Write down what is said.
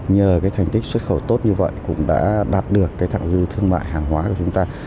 nhờ cái thành tích xuất khẩu tốt như vậy cũng đã đạt được cái thẳng dư thương mại hàng hóa của chúng ta